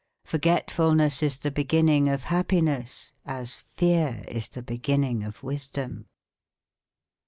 Forgetfulness is the beginning of happiness, as fear is the beginning of wisdom.